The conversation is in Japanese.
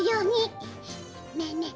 ねえねえ。